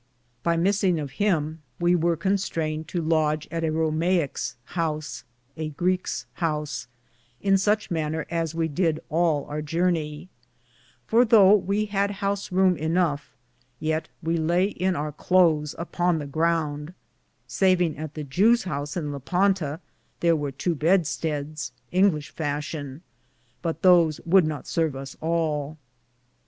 By misinge of him we weare constrained to lodge at a Romain's^ house in suche maner as we (did) all our jurney ; for thouge we had house roum enoughe, yeat we laye in our clothes upon the grounde, savinge at the Jewe's house in Lippanta thare was tow bed steades, Inglishe fation ; but those would not sarve us all.